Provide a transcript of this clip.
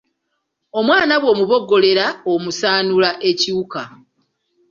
"Omwana bw’omuboggolera, omusaanuula ekiwuka."